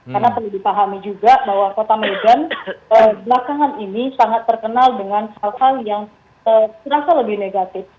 karena perlu dipahami juga bahwa kota medan belakangan ini sangat terkenal dengan hal hal yang terasa lebih negatif